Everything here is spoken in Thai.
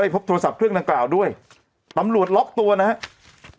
พบโทรศัพท์เครื่องดังกล่าวด้วยตำรวจล็อกตัวนะครับ